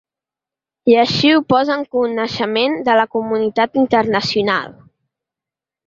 I així ho posa en coneixement de la comunitat internacional.